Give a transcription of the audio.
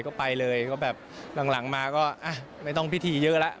ก็ไปเลยก็แบบหลังมาก็ไม่ต้องพิธีเยอะแล้ว